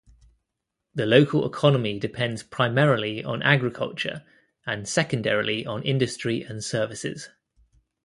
The local economy depends primarily on agriculture, and secondarily on industry and services.